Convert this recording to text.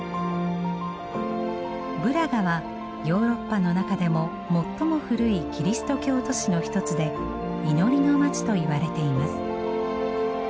ブラガはヨーロッパの中でも最も古いキリスト教都市の一つで祈りの街と言われています。